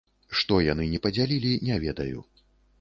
Што яны не падзялілі, не ведаю.